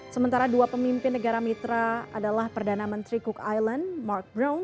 sementara dua pemimpin negara mitra adalah perdana menteri cook island mark brown